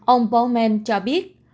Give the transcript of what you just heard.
ông bowman cho biết